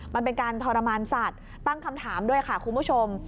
มันเป็นการทรมานสัตว์ตั้งคำถามด้วยค่ะคุณผู้ชม